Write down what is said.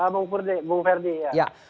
bang ferdi bang ferdi